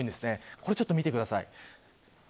これをちょっと見てください。